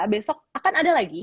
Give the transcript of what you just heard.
besok akan ada lagi